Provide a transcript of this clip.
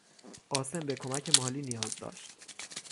قاسم به کمک مالی نیاز داشت.